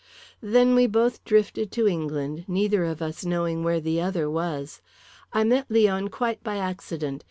"Then we both drifted to England, neither of us knowing where the other was. I met Leon quite by accident.